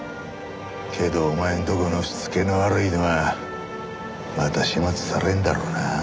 けどお前のとこのしつけの悪いのはまた始末されんだろうな。